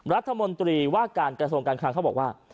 รัฐมนตรีว่าการกระทรวงการคลังเขาบอกว่า